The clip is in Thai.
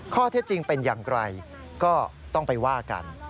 ข้อเท็จจริงเป็นอย่างไรก็ต้องไปว่ากัน